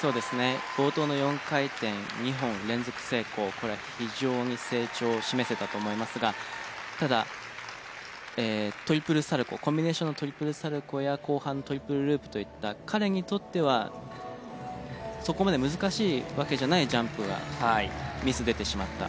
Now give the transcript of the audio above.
これは非常に成長を示せたと思いますがただトリプルサルコーコンビネーションのトリプルサルコーや後半のトリプルループといった彼にとってはそこまで難しいわけじゃないジャンプがミス出てしまった。